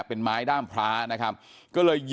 พันให้หมดตั้ง๓คนเลยพันให้หมดตั้ง๓คนเลย